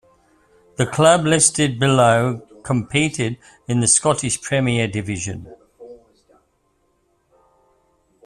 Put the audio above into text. The clubs listed below competed in the Scottish Premier Division.